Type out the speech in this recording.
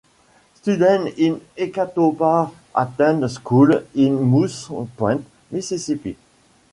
Students in Escatawpa attend schools in Moss Point, Mississippi.